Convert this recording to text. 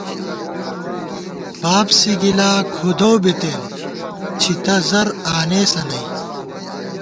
بابسِی گِلا کھُودَؤ بِتېن، چھِتہ زَر آنېسہ نئ